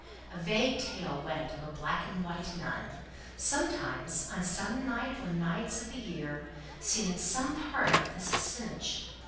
A vague tale went of a black and white nun, sometimes, on some night or nights of the year, seen in some part of this vicinage.